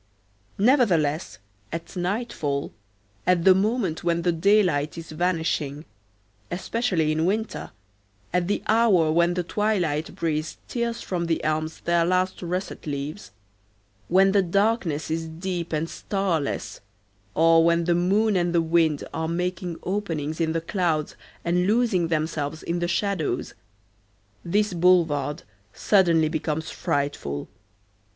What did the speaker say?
Nevertheless, at nightfall, at the moment when the daylight is vanishing, especially in winter, at the hour when the twilight breeze tears from the elms their last russet leaves, when the darkness is deep and starless, or when the moon and the wind are making openings in the clouds and losing themselves in the shadows, this boulevard suddenly becomes frightful.